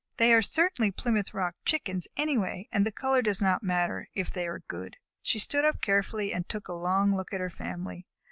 They are certainly Plymouth Rock Chickens anyway, and the color does not matter, if they are good." She stood up carefully and took a long look at her family.